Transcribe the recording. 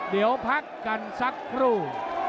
เดี๋ยวพักกันสักครู่